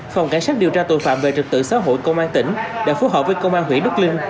phòng cảnh sát điều tra tội phạm về trực tự xã hội công an tỉnh đã phối hợp với công an huyện đức linh